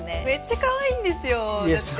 めっちゃかわいいんですよいや